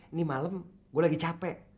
ini malam gue lagi capek